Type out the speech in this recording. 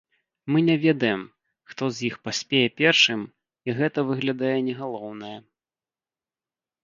Мы не ведаем, хто з іх паспее першым, і гэта, выглядае, не галоўнае.